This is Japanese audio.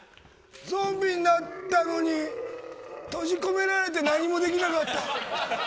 ゾンビになったのに閉じ込められて何もできなかった。